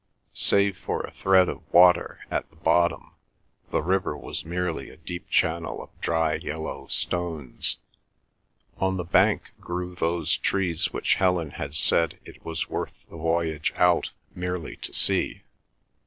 Save for a thread of water at the bottom, the river was merely a deep channel of dry yellow stones. On the bank grew those trees which Helen had said it was worth the voyage out merely to see.